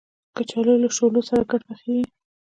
کچالو له شولو سره ګډ پخېږي